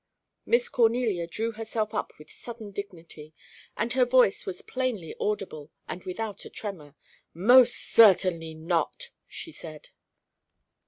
Miss Cornelia drew herself up with sudden dignity and her voice was plainly audible, and without a tremor. "Most certainly not," she said.